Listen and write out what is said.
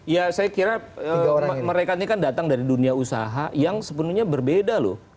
ya saya kira mereka ini kan datang dari dunia usaha yang sepenuhnya berbeda loh